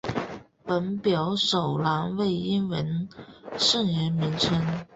本表首栏为英文圣人名称。